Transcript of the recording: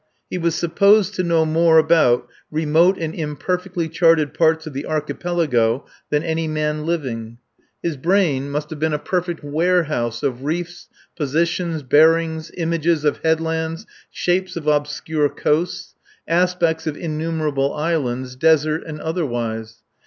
He was supposed to know more about remote and imperfectly charted parts of the Archipelago than any man living. His brain must have been a perfect warehouse of reefs, positions, bearings, images of headlands, shapes of obscure coasts, aspects of innumerable islands, desert and otherwise.